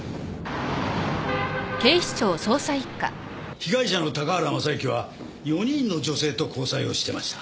被害者の高原雅之は４人の女性と交際をしてました。